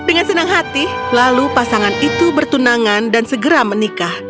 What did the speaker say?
dengan senang hati lalu pasangan itu bertunangan dan segera menikah